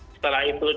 setelah itu di